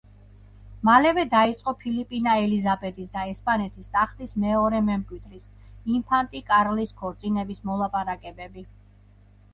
მალევე დაიწყო ფილიპინა ელიზაბეტის და ესპანეთის ტახტის მეორე მემკვიდრის, ინფანტი კარლის ქორწინების მოლაპარაკებები.